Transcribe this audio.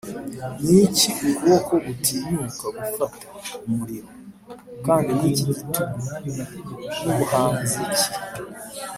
niki ukuboko gutinyuka gufata umuriro? kandi niki gitugu, nubuhanzi ki,